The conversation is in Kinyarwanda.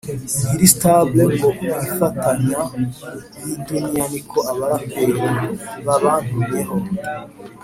Ntiri stable ngo mwibafatanya n’idunia niko abaraperi babantumyeho